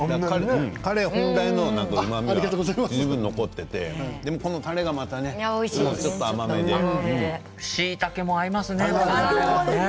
カレイ本来のうまみが十分残っていてでもこのたれがまたねしいたけも合いますね。